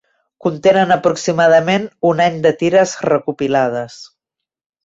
Contenen aproximadament un any de tires recopilades.